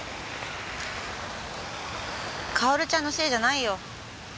薫ちゃんのせいじゃないよ。